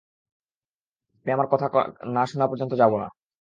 আপনি আমার কথা না শুনা পর্যন্ত যাব না।